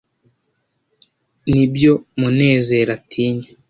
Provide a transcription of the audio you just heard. nibyo munezero atinya